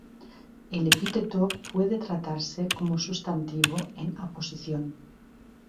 El epíteto puede tratarse como sustantivo en aposición.